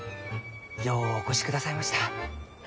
ようお越しくださいました。